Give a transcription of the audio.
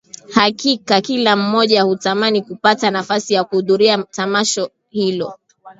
Hakika kila mmoja hutamani kupata nafasi ya kuhudhuria tamasha tilo